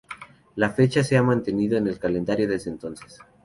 La fecha se ha mantenido en el calendario desde entonces.